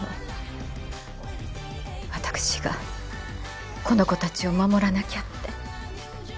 私がこの子たちを守らなきゃって。